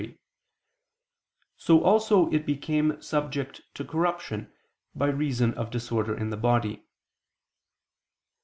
3), so also it became subject to corruption, by reason of disorder in the body.